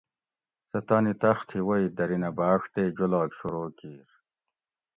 سہ تانی تخت تھی وئی دۤھرینہ بھاۤڄ تے جولاگ شروع کِیر